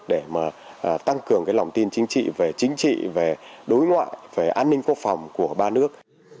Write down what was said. để tăng cường lòng tin chính trị về chính trị đối ngoại an ninh quốc phòng của ba nước